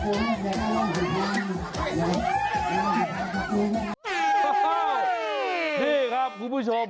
โอ้โหนี่ครับคุณผู้ชม